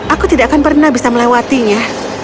aku tidak akan pernah bisa melewatinya